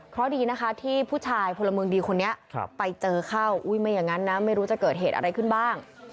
เพราะดีนะคะที่ผู้ชายพลเมืองดีคนนี้ไปเจอเข้าอุ้ยไม่อย่างนั้นนะไม่รู้จะเกิดเหตุอะไรขึ้นบ้าง